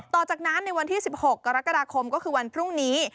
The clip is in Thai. ต่อจากนั้นในวันที่๑๖กรกฎาคมก็คือวันพรุ่งนี้